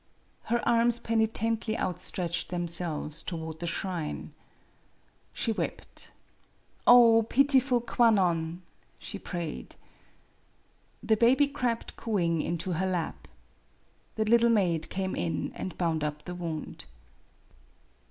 Her arms penitently outstretched themselves toward the shrine. She wept. "Oh, pitiful Kwannon!" she prayed. The baby crept cooing into her lap. The little maid came in and bound up the wound.